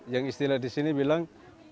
yang istilah di sini bilang